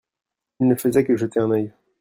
il ne faisait que jeter un œil.